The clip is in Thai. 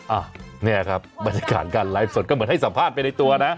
อ่ะเนี่ยครับบรรยากาศการไลฟ์สดก็เหมือนให้สัมภาษณ์ไปในตัวนะ